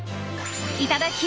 いただき！